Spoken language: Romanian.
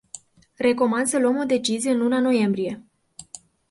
Recomand să luăm o decizie în luna noiembrie.